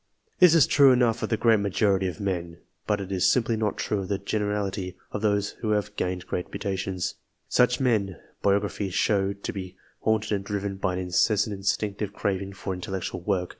This is true enough of the great majority of men, but it is simply not true of the generality of those who have gained great reputations. Such men, biographies show to be haunted and driven by an in cessant instinctive craving for intellectual work.